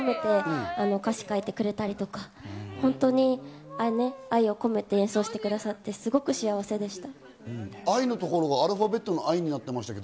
愛情を込めて歌詞を書いてくれたりとか、本当に愛を込めて演奏してくださって、すごく幸せでした。